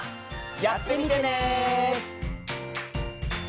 やってみてね。